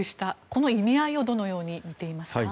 この意味合いをどのように見ていますか。